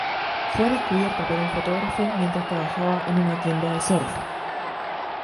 Fue descubierta por un fotógrafo mientras trabajaba en una tienda de surf.